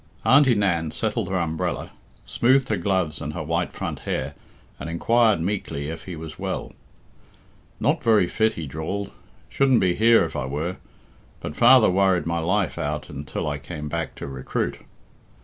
Auntie Nan settled her umbrella, smoothed her gloves and her white front hair, and inquired meekly if he was well. "Not very fit," he drawled; "shouldn't be here if I were. But father worried my life out until I came back to recruit."